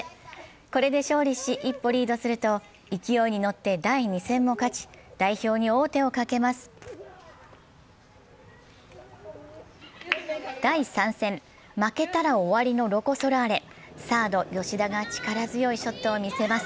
これで勝利し、一歩リードすると勢いに乗って第２戦も勝ち、代表に王手をかけます。